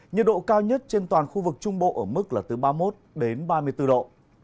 nhiệt độ cao nhất trên toàn khu vực trung bộ ở mức là từ ba mươi một đến ba mươi bốn độ